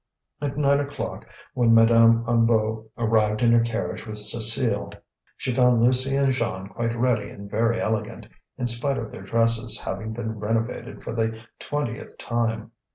At nine o'clock, when Madame Hennebeau arrived in her carriage with Cécile, she found Lucie and Jeanne quite ready and very elegant, in spite of their dresses having been renovated for the twentieth time.